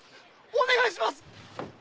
お願いします！〕